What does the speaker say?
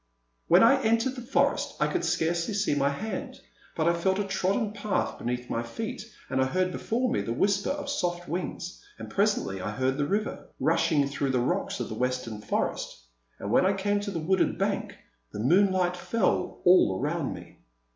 When I entered the forest I could scarcely see my hand, but I felt a trodden path beneath my feet, and I heard before me the whisper of soft wings, and presently I heard the river, rushing through rocks of the western forest, and when I came to the wooded bank the moonlight fell all around me.